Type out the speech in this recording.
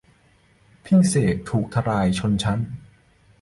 พี่เสกผู้ทลายชนชั้น